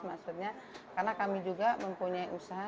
maksudnya karena kami juga mempunyai usaha